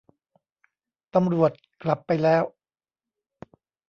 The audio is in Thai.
ตำรวจกลับไปแล้ว